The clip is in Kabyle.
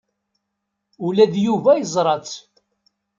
Ula d Yuba yeẓra-tt.